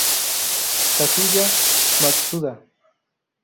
Kazuya Matsuda